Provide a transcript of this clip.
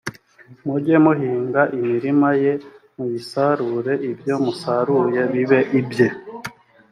mujye muhinga imirima ye muyisarure ibyo musaruye bibe ibye